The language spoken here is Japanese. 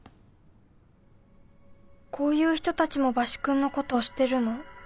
こういう人たちもバシ君のこと推してるの？